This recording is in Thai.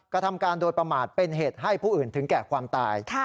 กระทำการโดยประมาทเป็นเหตุให้ผู้อื่นถึงแก่ความตาย